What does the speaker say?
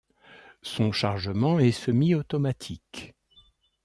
Son chargement est semi-automatique.